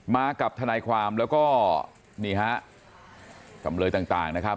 มากับทนายความแล้วก็นี่ฮะจำเลยต่างนะครับ